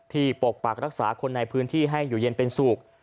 ปกปักรักษาคนในพื้นที่ให้อยู่เย็นเป็นสุข